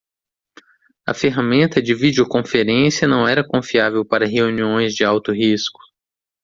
A ferramenta de videoconferência não era confiável para reuniões de alto risco.